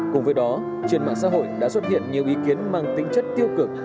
cùng với đó trên mạng xã hội đã xuất hiện nhiều ý kiến mang tính chất tiêu cực